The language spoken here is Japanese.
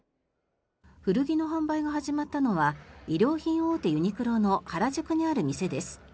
古着の販売が始まったのは衣料品大手ユニクロの原宿にある店です。